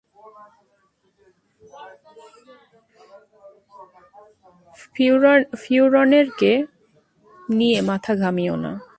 ফিওরনেরকে নিয়ে মাথা ঘামিয়ো না।